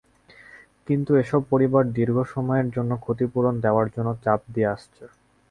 কিন্তু এসব পরিবার দীর্ঘ সময়ের জন্য ক্ষতিপূরণ দেওয়ার জন্য চাপ দিয়ে আসছে।